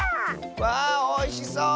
わおいしそう！